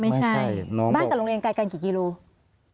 ไม่ใช่บ้านกับโรงเรียนไกลกันกี่กิโล